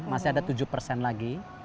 masih ada tujuh persen lagi